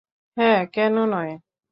হ্যাঁ, কেন নয়।